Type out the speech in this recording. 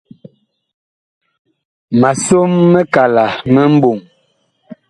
Ma som mikala mi mɓɔŋ.